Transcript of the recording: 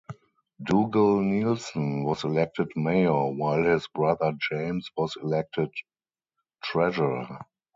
Dugal Neilson was elected mayor while his brother James was elected treasurer.